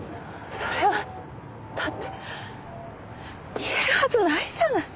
それはだって言えるはずないじゃない。